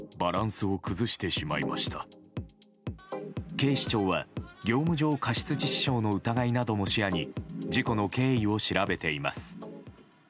警視庁は、業務上過失致死傷の疑いなども視野に事故の経緯を調べています。